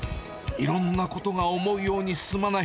いろんなことが思うように進まない。